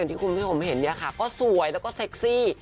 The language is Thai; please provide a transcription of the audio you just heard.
ที่คุณผู้ชมเห็นเนี่ยค่ะก็สวยแล้วก็เซ็กซี่